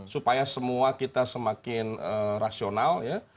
supaya semua kita semakin rasional ya